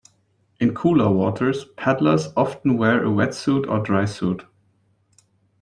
In cooler waters, paddlers often wear a wetsuit or drysuit.